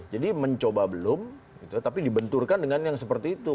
jadi mencoba belum tapi dibenturkan dengan yang seperti itu